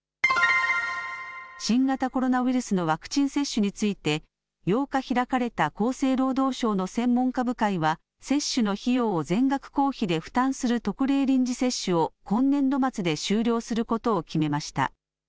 新型コロナウイルスのワクチン接種について、８日開かれた厚生労働省の専門家部会は、接種の費用を全額公費で負担する特例臨時接種を今年度末で終了することを決めました。